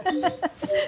ハハハハ。